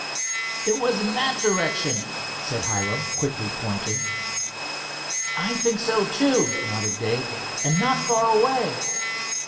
"It was in that direction," said Hiram quickly, pointing. "I think so, too," nodded Dave, "and not far away."